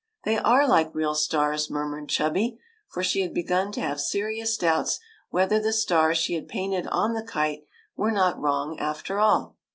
'^They^;^^ like real stars," murmured Chubby, for she had begun to have serious doubts whether the stars she had painted on the kite were not wrong after all.